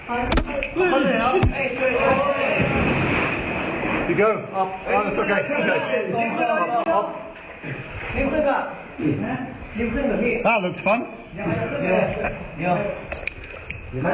อ่าขึ้นมาอ่ะใช่หรือไม๊ใช่หรือไม๊